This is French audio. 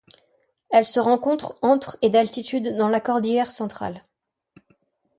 Elle se rencontre entre et d'altitude dans la cordillère Centrale.